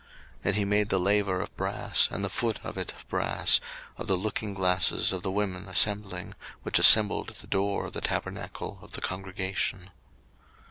02:038:008 And he made the laver of brass, and the foot of it of brass, of the lookingglasses of the women assembling, which assembled at the door of the tabernacle of the congregation.